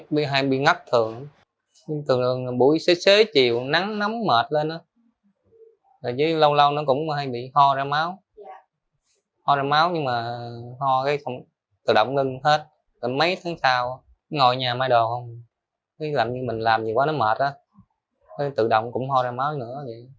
bệnh nhân có thể tự động ngưng hết mấy tháng sau ngồi nhà mai đồ không làm như mình làm nhiều quá nó mệt tự động cũng ho ra máu nữa